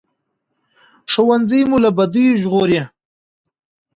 ښوونځی مو له بدیو ژغوري